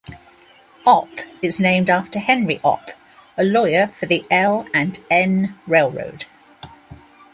Opp is named after Henry Opp, a lawyer for the L and N railroad.